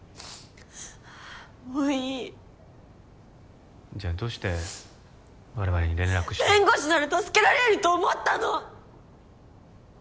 もういいじゃどうして我々に連絡して弁護士なら助けられると思ったの！